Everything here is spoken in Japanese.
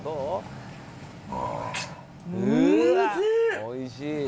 おいしい！